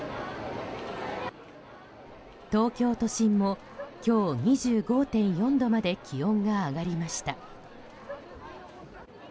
東京都心も今日２５．４度まで気温が上がりました。